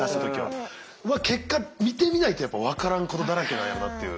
結果見てみないとやっぱ分からんことだらけなんやなっていう。